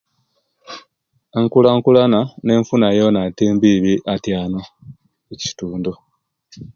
Enkulakulana nenfuna yona timbibi atyanu okitundu